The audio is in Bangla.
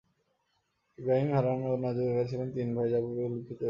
ইবরাহীম, হারান ও নাজুর এরা ছিলেন তিন ভাই যা পূর্বেই উল্লিখিত হয়েছে।